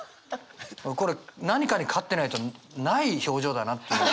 これ何かに勝ってないとない表情だな。